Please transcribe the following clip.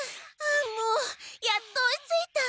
あもうやっと追いついた。